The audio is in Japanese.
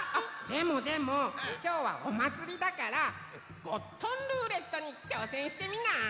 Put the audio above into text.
でもでもきょうはおまつりだからゴットンルーレットにちょうせんしてみない？